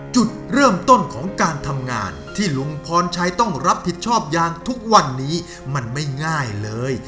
จุดเริ่มต้นของการทำงานที่ลุงพรชัยต้องรับผิดชอบยางทุกวันนี้มันไม่ง่ายเลย